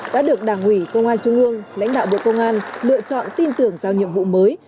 đã được đảng ủy công an trung ương lãnh đạo bộ công an lựa chọn tin tưởng giao nhiệm vụ mới